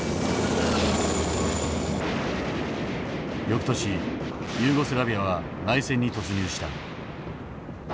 翌年ユーゴスラビアは内戦に突入した。